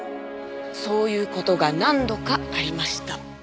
そういう事が何度かありました。